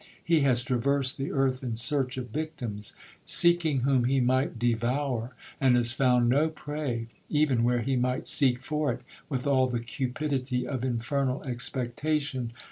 He has traversed the earth in search of victims, 'Seeking whom he might devour,'—and has found no prey, even where he might seek for it with all the cupidity of infernal expectation.